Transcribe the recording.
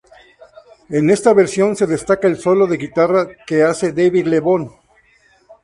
En esta versión se destaca el solo de guitarra que hace David Lebón.